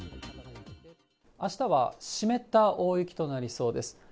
あしたは湿った大雪となりそうです。